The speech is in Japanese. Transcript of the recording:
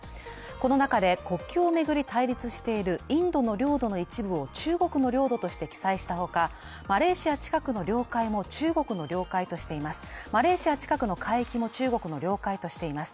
この中で国境を巡り対立しているインドの領土を中国の領土として記載したほか、マレーシア近くの海域も中国の領海としています。